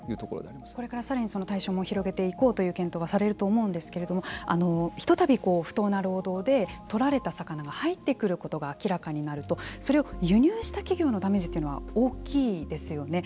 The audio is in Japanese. これからさらにその対象も広げていこうという検討もされると思うんですけれどもひとたび不当な労働で取られた魚が入ってくることが明らかになるとそれを輸入した企業のダメージというのは大きいですよね。